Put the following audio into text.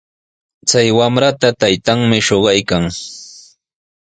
Chay wamrata taytanmi shuqaykan.